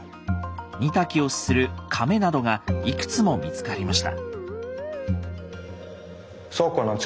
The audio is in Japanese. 煮炊きをするかめなどがいくつも見つかりました。